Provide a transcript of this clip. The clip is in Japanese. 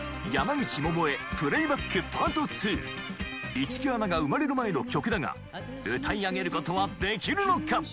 市來アナが生まれる前の曲だが歌い上げることはできるのか？